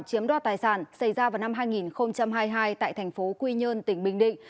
chiếm đoạt tài sản xảy ra vào năm hai nghìn hai mươi hai tại thành phố quy nhơn tỉnh bình định